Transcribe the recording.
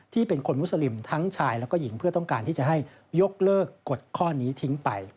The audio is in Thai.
ที่เป็นคนมุสลิมทั้งชายแล้วก็หญิงเพื่อต้องการที่จะให้ยกเลิกกฎข้อนี้ทิ้งไป